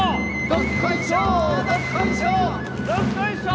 どっこいしょ！